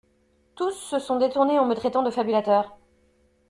Tous se sont détournés en me traitant de fabulateur.